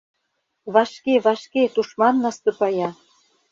— Вашке, вашке, тушман наступая!!!